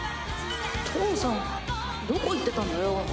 父さんどこ行ってたんだよ。